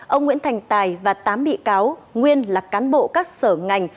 ông nguyễn thành tài và tám bị cáo nguyên là cán bộ các sở ngành